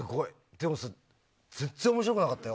でもさ、全然面白くなかったよ。